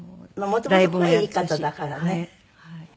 もともと声いい方だからね。